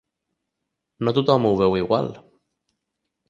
No tothom ho veu igual.